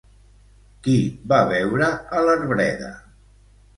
Qui va veure a l'arbreda?